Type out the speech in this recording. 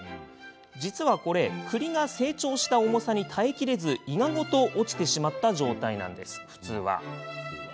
実はこれ、くりが成長した重さに耐えきれずイガごと落ちてしまった状態なんです。